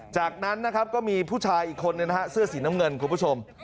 จากนั้นก็มีผู้ชายอีกคนเสื้อสีน้ำเงินคุณผู้ชม